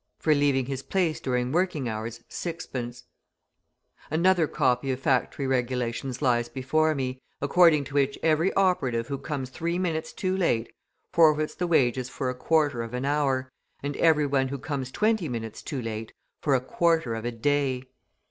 for leaving his place during working hours, 6d. {179b} Another copy of factory regulations lies before me, according to which every operative who comes three minutes too late, forfeits the wages for a quarter of an hour, and every one who comes twenty minutes too late, for a quarter of a day.